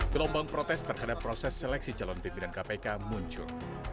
gelombang protes terhadap proses seleksi calon pimpinan kpk muncul